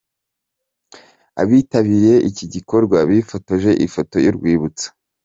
Abitabiriye iki gikorwa bifotoje ifoto y'urwibutso.